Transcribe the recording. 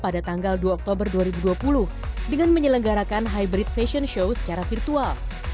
dan menyelenggarakan hybrid fashion show secara virtual